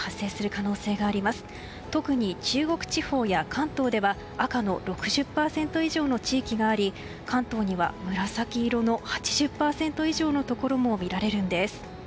特に中国地方や関東では赤の６０％以上の地域があり関東には紫色の８０％以上のところも見られるんです。